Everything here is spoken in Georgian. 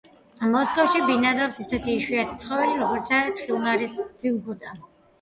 მოსკოვში ბინადრობს ისეთი იშვიათი ცხოველი, როგორიცაა თხილნარის ძილგუდა.